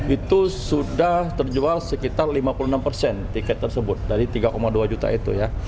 itu sudah terjual sekitar lima puluh enam persen tiket tersebut dari tiga dua juta itu ya